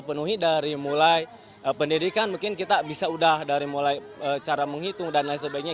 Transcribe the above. penuhi dari mulai pendidikan mungkin kita bisa udah dari mulai cara menghitung dan lain sebagainya